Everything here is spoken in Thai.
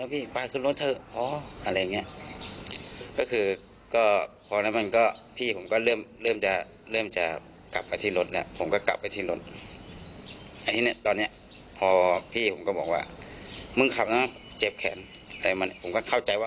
ผมก็เข้าใจว่าการตีกั้นจะช้ำทำอีกตอนได้จะได้กำไรแล้วเดี่ยวขับไฮก็ได้